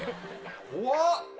怖っ！